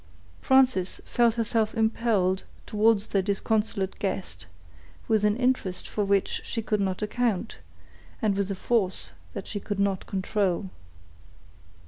Frances felt herself impelled towards their disconsolate guest, with an interest for which she could not account, and with a force that she could not control.